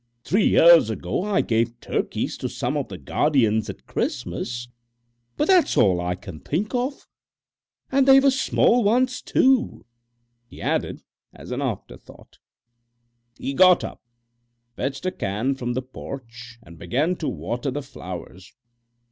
Three years ago I gave turkeys to some of the guardians at Christmas, but that's all I can think of. And they were small ones, too," he added as an afterthought. He got up, fetched a can from the porch, and began to water the flowers.